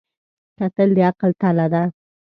کتل د عقل تله ده